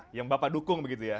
yang bapak dukung begitu ya